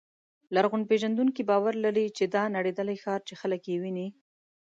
لرغونپېژندونکي باور لري چې دا نړېدلی ښار چې خلک یې ویني.